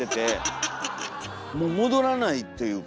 もう戻らないというか。